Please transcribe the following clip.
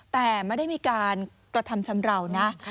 แต่ไม่ได้มีการกระทำชำราวนะ